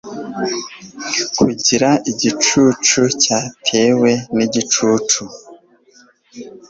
kugira igicucu cyatewe nigicucu